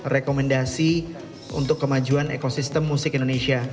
rekomendasi untuk kemajuan ekosistem musik indonesia